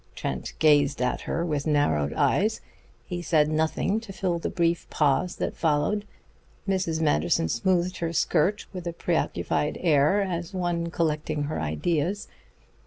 Trent gazed at her with narrowed eyes. He said nothing to fill the brief pause that followed. Mrs. Manderson smoothed her skirt with a preoccupied air, as one collecting her ideas.